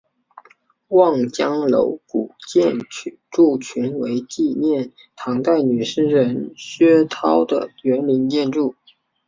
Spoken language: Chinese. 望江楼古建筑群为纪念唐代女诗人薛涛的园林建筑。